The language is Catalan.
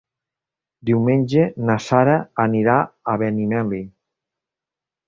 Diumenge na Sara anirà a Benimeli.